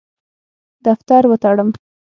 دفتر وتړم.